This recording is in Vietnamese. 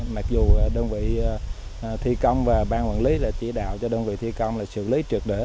mặc dù đơn vị thi công và bang quản lý đã chỉ đạo cho đơn vị thi công xử lý trượt đỡ